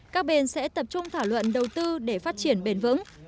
các bên sẽ tập trung thảo luận đầu tư để phát triển bền vững